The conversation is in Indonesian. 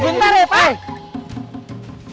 sebentar ya pak